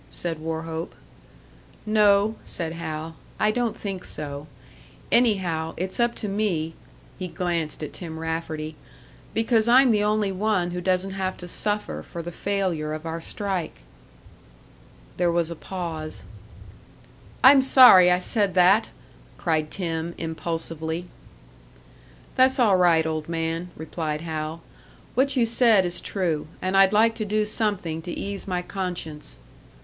said Wauchope. "No," said Hal, "I don't think so. Anyhow, it's up to me" he glanced at Tim Rafferty "because I'm the only one who doesn't have to suffer for the failure of our strike." There was a pause. "I'm sorry I said that!" cried Tim, impulsively. "That's all right, old man," replied Hal. "What you said is true, and I'd like to do something to ease my conscience."